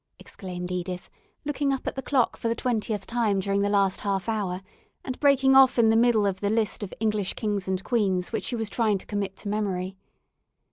exclaimed Edith, looking up at the clock for the twentieth time during the last half hour, and breaking off in the middle of the list of English kings and queens which she was trying to commit to memory.